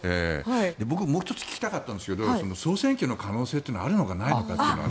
僕、もう１つ聞きたかったんですが総選挙の可能性があるのかないのか。